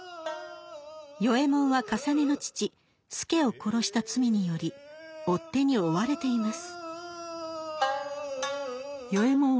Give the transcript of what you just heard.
与右衛門はかさねの父助を殺した罪により追っ手に追われています。